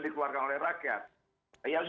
dikeluarkan oleh rakyat ya harus